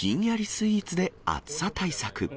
スイーツで暑さ対策。